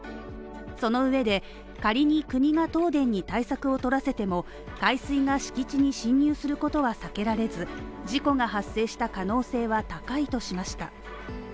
そのうえで、仮に国が東電に対策をとらせても海水が敷地に進入することは避けられず事故が発生した可能性は高いとしました。